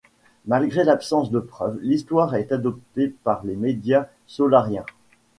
Malgré l’absence de preuves, l’histoire est adoptée par les médias solariens.